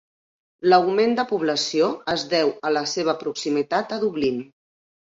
L'augment de població es deu a la seva proximitat a Dublín.